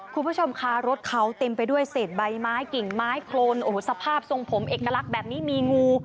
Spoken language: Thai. คุณผู้ชมค่ะรถเขาเต็มไปด้วยเศษใบไม้กิ่งไม้โครนโอ้โหสภาพทรงผมเอกลักษณ์แบบนี้มีงู